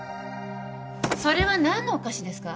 それは何のお菓子ですか？